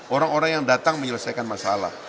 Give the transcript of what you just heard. orang orang yang datang menyelesaikan masalah